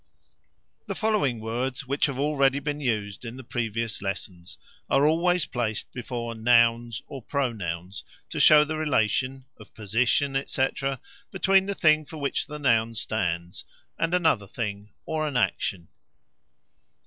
The following words, which have already been used in the previous lessons, are always placed before nouns or pronouns, to show the relation (of position, etc.) between the thing for which the noun stands and another thing or an action.